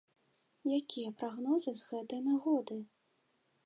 Якія прагнозы з гэтай нагоды?